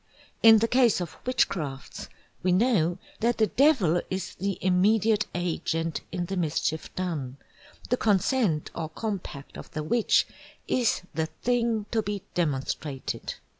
In the case of Witchcrafts we know that the Devil is the immediate Agent in the Mischief done, the consent or compact of the Witch is the thing to be Demonstrated.